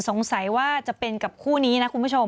สงสัยว่าจะเป็นกับคู่นี้นะคุณผู้ชม